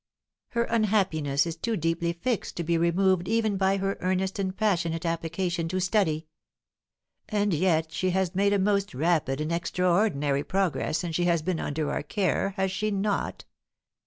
Poiteau] "Her unhappiness is too deeply fixed to be removed even by her earnest and passionate application to study." "And yet she has made a most rapid and extraordinary progress since she has been under our care, has she not?"